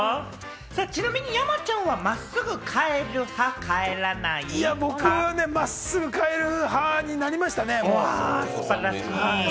ちなみに山ちゃんは僕は真っすぐ帰る派になりましたね。